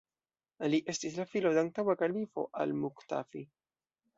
Li estis la filo de antaŭa kalifo al-Muktafi.